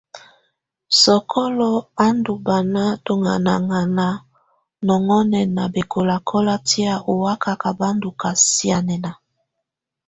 Sokolo á ndù bana tuŋanaŋana nɔŋɔna bɛkɔlakɔla tɛ̀á ɔ́ wakaka bá ndù ka sianɛna.